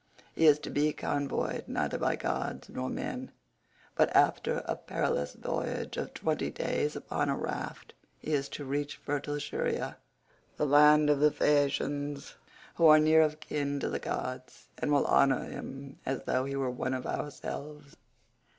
He is to be convoyed neither by gods nor men, but after a perilous voyage of twenty days upon a raft he is to reach fertile Scheria,50 the land of the Phaeacians, who are near of kin to the gods, and will honour him as though he were one of ourselves.